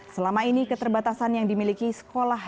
selama ini keterbatasan yang dimiliki sekolah